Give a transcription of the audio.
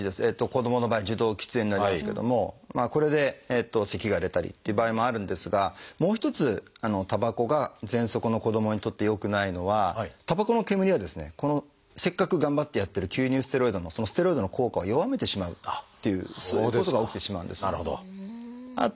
子どもの場合受動喫煙になりますけどもこれでせきが出たりっていう場合もあるんですがもう一つたばこがぜんそくの子どもにとって良くないのはたばこの煙はですねせっかく頑張ってやってる吸入ステロイドのそのステロイドの効果を弱めてしまうっていうそういうことが起きてしまうんですね。